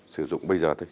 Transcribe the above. sử dụng bây giờ thôi